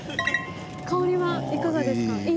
香りはいかがですか？